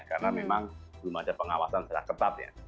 karena memang belum ada pengawasan yang ketat ya